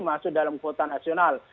masuk dalam kuota nasional